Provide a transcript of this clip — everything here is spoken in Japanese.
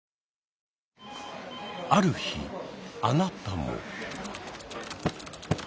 ある日あなたも。